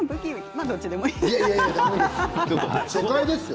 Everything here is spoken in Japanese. まあ、どっちでもいいですよ。